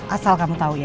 asal kamu tau ya